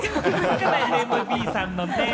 ＮＭＢさんのね。